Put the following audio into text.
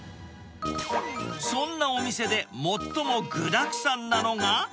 そんなお店で最も具だくさんなのが。